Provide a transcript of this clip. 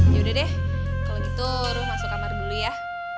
yaudah deh kalo gitu ruh masuk kamar dulu ya